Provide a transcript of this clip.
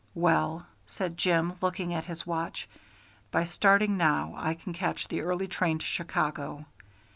"Well," said Jim, looking at his watch, "by starting now I can catch the early train to Chicago.